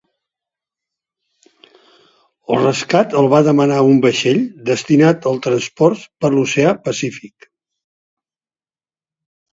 El rescat el va demanar un vaixell destinat al transport per l'Oceà Pacífic.